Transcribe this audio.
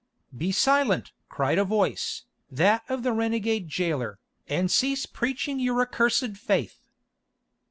"Be silent!" cried a voice, that of the renegade jailer, "and cease preaching your accursed faith!"